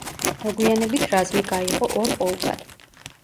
მოგვიანებით რაზმი გაიყო ორ პოლკად.